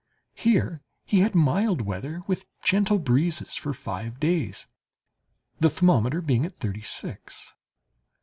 Here he had mild weather, with gentle breezes, for five days, the thermometer being at thirty six.